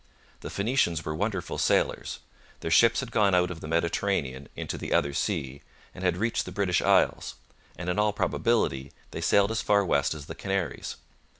The Phoenicians were wonderful sailors; their ships had gone out of the Mediterranean into the other sea, and had reached the British Isles, and in all probability they sailed as far west as the Canaries.